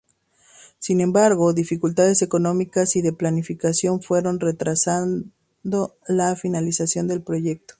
Sin embargo, dificultades económicas y de planificación fueron retrasando la finalización del proyecto.